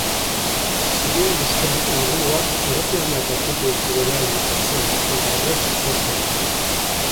Sariari esker liburuak irakurleak aurkitu dituela iruditzen zait, eta horrek pozten nau.